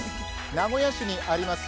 名古屋市にあります